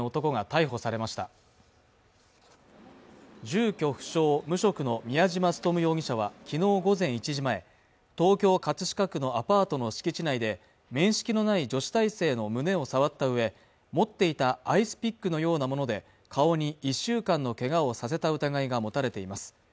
住居不詳無職の宮嶋力容疑者はきのう午前１時前東京葛飾区のアパートの敷地内で面識のない女子大生の胸を触ったうえ持っていたアイスピックのようなもので顔に１週間のけがをさせた疑いが持たれています